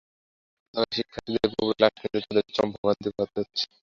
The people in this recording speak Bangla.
তিনটি কক্ষ থাকায় শিক্ষার্থীদের পুরোপুরি ক্লাস নিতে তাঁদের চরম ভোগান্তি পোহাতে হচ্ছে।